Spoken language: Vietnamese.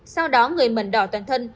sau đó người mần đỏ toàn thân